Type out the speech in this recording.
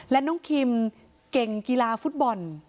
และน้องคิมเก่งกีฬาฟุตบอล